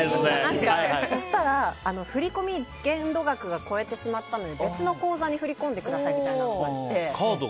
そうしたら振り込み限度額が超えてしまったので別の口座に振り込んでくださいみたいなのが来て。